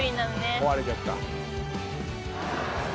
壊れちゃった。